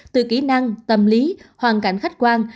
từ kỹ năng tâm lý hoàn cảnh khách quan